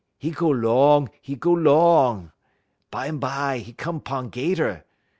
'E go 'long, 'e go 'long. Bumbye 'e come 'pon 'gater.